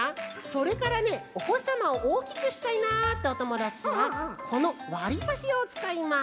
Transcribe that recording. それからねおほしさまをおおきくしたいなっておともだちはこのわりばしをつかいます。